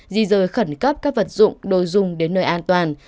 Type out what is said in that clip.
di rời khẩn cấp các vật dụng đồ dùng đến nơi an toàn